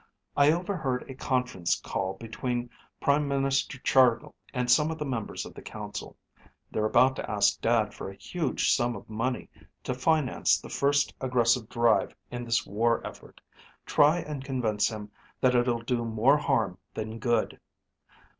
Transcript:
I overheard a conference call between Prime Minister Chargill and some of the members of the council. They're about to ask Dad for a huge sum of money to finance the first aggressive drive in this war effort. Try and convince him that it'll do more harm than good.